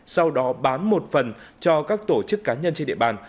sau đó bán một phần cho các tổ chức cá nhân trên địa bàn